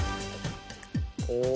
お！